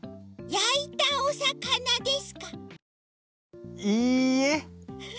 やいたおさかなですか？